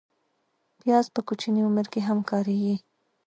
پیاز په کوچني عمر کې هم کارېږي